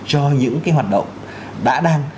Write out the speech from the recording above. cho những cái hoạt động đã đang